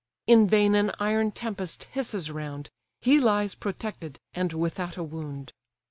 In vain an iron tempest hisses round; He lies protected, and without a wound.